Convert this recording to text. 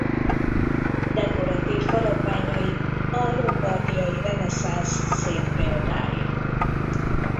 Dekoratív faragványai a lombardiai reneszánsz szép példái.